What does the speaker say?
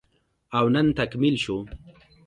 او نن تکميل شو